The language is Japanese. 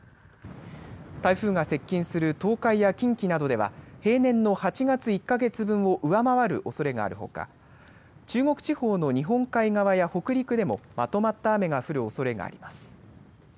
台風が接近する東海や近畿などでは平年の８月１か月分を上回るおそれがあるほか中国地方の日本海側や北陸でもまとまった雨が降るおそれがあります。